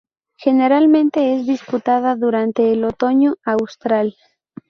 Generalmente es disputada durante el otoño austral.